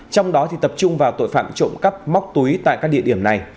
trong đó tập trung vào tội phạm trộm cắp móc túi tại các địa điểm này